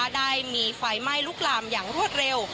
ได้มีไฟไหม้ลุกลามอย่างรวดเร็ว